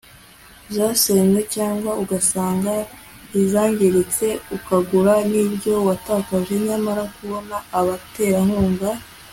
zasenywe, cyangwa ugasana izangiritse, ukagura n'ibyo watakaje ; nyamara kubona abaterankunga